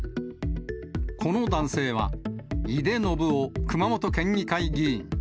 この男性は井手順雄熊本県議会議員。